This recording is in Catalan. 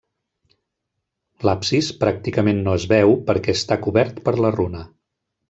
L'absis pràcticament no es veu perquè està cobert per la runa.